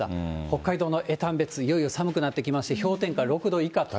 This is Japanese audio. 北海道の江丹別、いよいよ寒くなってきまして、氷点下６度以下と。